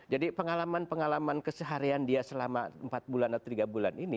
jadi pengalaman pengalaman keseharian dia selama empat bulan atau tiga bulan ini